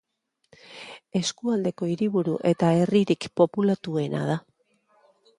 Eskualdeko hiriburu eta herririk populatuena da.